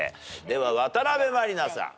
では渡辺満里奈さん。